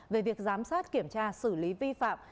về việc giám sát kiểm tra xử lý vi phạm